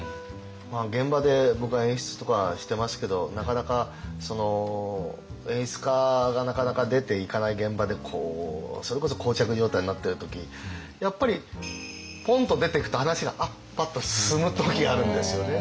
現場で僕は演出とかしてますけど演出家がなかなか出ていかない現場でそれこそ膠着状態になってる時やっぱりポンと出てくと話がパッと進む時があるんですよね。